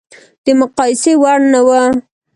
د مقایسې وړ نه و.